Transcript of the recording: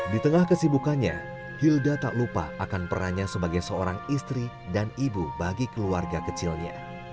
di tengah kesibukannya hilda tak lupa akan perannya sebagai seorang istri dan ibu bagi keluarga kecilnya